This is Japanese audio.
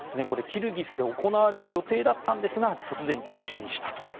キルギスで行われる予定だったんですが突然中止にしたと。